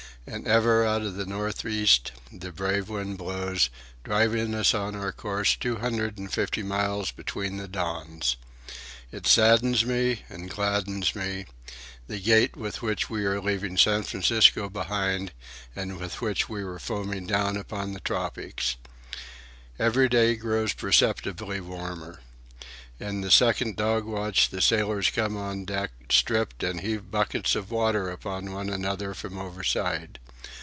And ever out of the north east the brave wind blows, driving us on our course two hundred and fifty miles between the dawns. It saddens me and gladdens me, the gait with which we are leaving San Francisco behind and with which we are foaming down upon the tropics. Each day grows perceptibly warmer. In the second dog watch the sailors come on deck, stripped, and heave buckets of water upon one another from overside.